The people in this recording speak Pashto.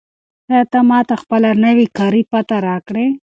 آیا ته به ماته خپله نوې کاري پته راکړې؟